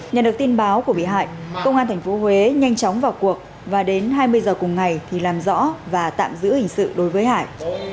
nhận được tin báo của bị hại công an tp huế nhanh chóng vào cuộc và đến hai mươi giờ cùng ngày thì làm rõ và tạm giữ hình sự đối với hải